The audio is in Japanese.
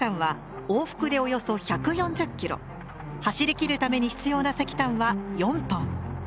走りきるために必要な石炭は４トン。